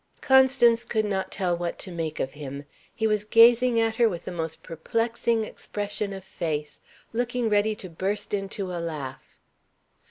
Constance could not tell what to make of him. He was gazing at her with the most perplexing expression of face, looking ready to burst into a laugh.